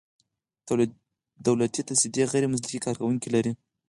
دولتي تصدۍ غیر مسلکي کارکوونکي لري.